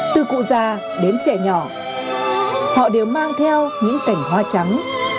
từ cụ già đến trẻ nhỏ họ đều mang theo những cành hoa trắng